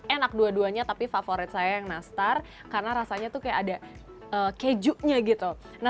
enak dua duanya tapi favorit saya yang nastar karena rasanya seperti ada kejunya